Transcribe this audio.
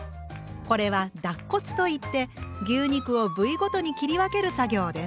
これは「脱骨」と言って牛肉を部位ごとに切り分ける作業です。